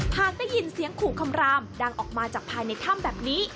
หากได้ยินเสียงขู่คำรามดังออกมาจากภายในถ้ำแบบนี้